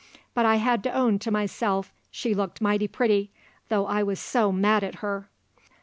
But I had to own to myself she looked mighty pretty, though I was so mad at her."